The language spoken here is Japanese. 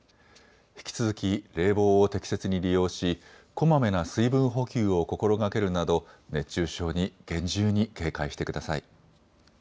引き続き冷房を適切に利用しこまめな水分補給を心がけるなど熱中症に厳重に警戒してください。